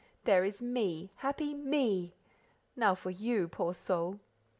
There is me—happy ME; now for you, poor soul!